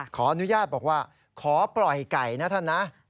ขออนุญาตบอกว่าขอปล่อยไก่นะท่านนะ